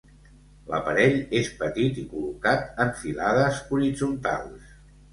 L'aparell és petit i col·locat en filades horitzontals.